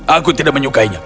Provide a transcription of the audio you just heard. aku tidak menyukainya